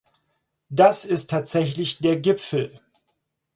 Das ist tatsächlich der Gipfel!